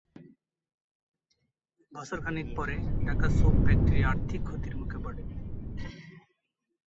বছর খানেক পরে ঢাকা সোপ ফ্যাক্টরি আর্থিক ক্ষতির মুখে পড়ে।